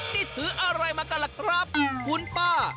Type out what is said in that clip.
นี่ถืออะไรมากันล่ะครับคุณป้า